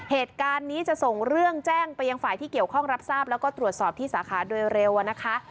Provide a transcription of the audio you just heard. เหตุการณ์นี้จะส่งเรื่องแจ้งไปยังฝ่ายที่เกี่ยวข้องรับทราบแล้วก็ตรวจสอบที่สาขาโดยเร็วนะคะ